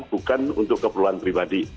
bukan untuk keperluan pribadi